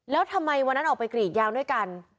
แล้วทำไมวันนั้นออกไปกรีดยางด้วยกัน